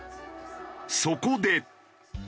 そこで。